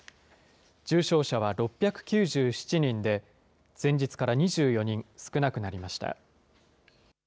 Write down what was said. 重症者は６９７人で、前日から２４人少なくなりました。